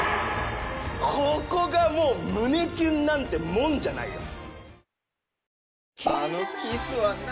ここがもう胸キュンなんてもんじゃないよ。